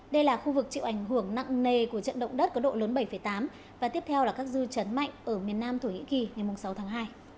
đây là khu vực chịu ảnh hưởng nặng nề của trận động đất có độ lớn bảy tám và tiếp theo là các dư chấn mạnh ở miền nam thổ nhĩ kỳ ngày sáu tháng hai